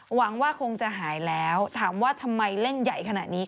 หวังว่าคงจะหายแล้วถามว่าทำไมเล่นใหญ่ขนาดนี้